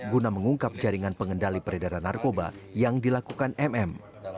guna mengungkap jaringan pengendali peredaran narkoba yang dilakukan mm